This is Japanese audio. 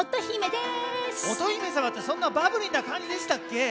乙姫さまってそんなバブリーなかんじでしたっけ？